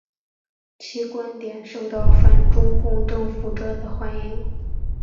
其观点受到反中共政府者的欢迎。